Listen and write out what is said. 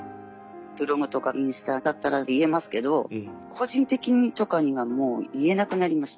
ブログとかインスタだったら言えますけど個人的にとかにはもう言えなくなりました。